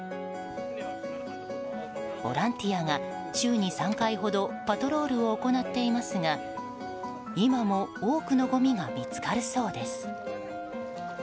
ボランティアが週に３回ほどパトロールを行っていますが今も、多くのごみが見つかるそうです。